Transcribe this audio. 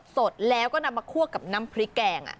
สดแล้วก็นำมาคั่วกับน้ำพริกแกง